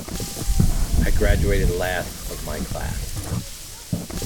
I graduated last of my class.